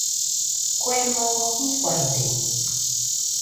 Kue moo Jɨfaide